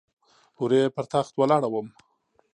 هورې پر تخت ولاړه وم .